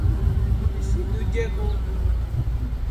کسی ۮوجے کُﯡ